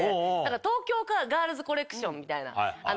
東京ガールズコレクションみたいな。